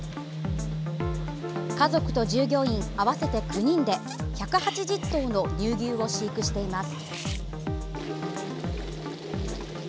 家族と従業員合わせて９人で１８０頭の乳牛を飼育しています。